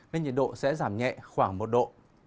nên nhiệt độ sẽ giảm nhẹ khoảng một độ